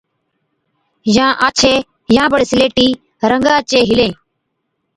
يان آڇين، يان بڙي سليٽِي رنگا چين هِلين۔